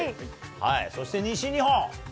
そして西日本。